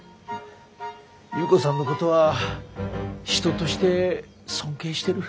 優子さんのことは人として尊敬してる。